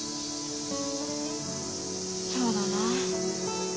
そうだな。